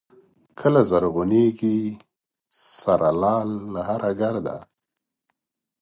کله زرغونېږي سره لاله له هره ګرده